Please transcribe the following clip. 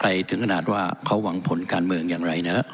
ไว้ตึงขนาดว่าเขาวังความการเมืองอย่างไรนะ